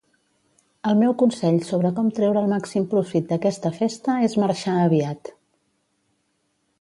El meu consell sobre com treure el màxim profit d'aquesta festa és marxar aviat.